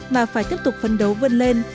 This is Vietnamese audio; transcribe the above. mà phải tiếp tục phân đấu vươn lên